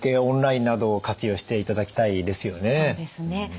オンラインなどを活用していただきたいですよね。